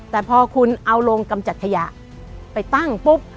แต่พอคุณเอาโรงกำจัดขยะไปตั้งปุ๊บ